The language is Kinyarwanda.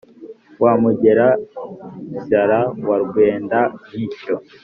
wa mugera shyara wa rwenda mishyo